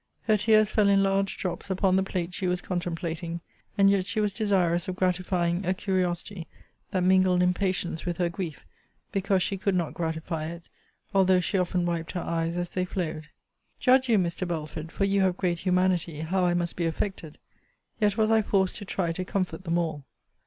Her tears fell in large drops upon the plate she was contemplating; and yet she was desirous of gratifying a curiosity that mingled impatience with her grief because she could not gratify it, although she often wiped her eyes as they flowed. Judge you, Mr. Belford, (for you have great humanity,) how I must be affected. Yet was I forced to try to comfort them all.